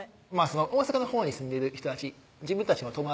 大阪のほうに住んでる人たち自分たちの友達